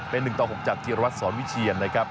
เป็น๑๖จากที่รัฐสอนวิเชียนนะครับ